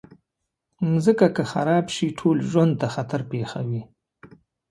مځکه که خراب شي، ټول ژوند ته خطر پېښوي.